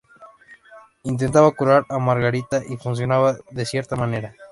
Intentaba curar a Margarita, y funcionaba de cierta manera.